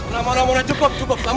nama nama udah cukup cukup